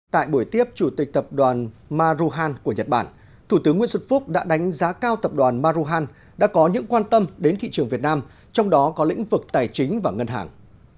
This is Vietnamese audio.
tại buổi tiếp chủ tịch tập đoàn maruhan của nhật bản thủ tướng nguyễn xuân phúc đã đánh giá cao tập đoàn maruhan đã có những quan tâm đến thị trường việt nam trong đó có lĩnh vực tài chính và ngân hàng